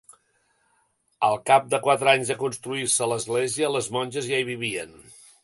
Al cap de quatre anys de construir-se l'església, les monges ja hi vivien.